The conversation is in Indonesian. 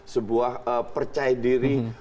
sebuah percaya diri